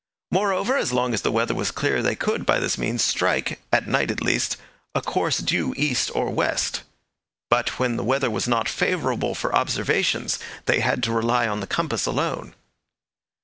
Moreover, as long as the weather was clear they could, by this means, strike, at night at least, a course due east or west. But when the weather was not favourable for observations they had to rely on the compass alone.